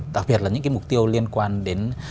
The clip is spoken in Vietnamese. đặc biệt là những mục tiêu liên quan đến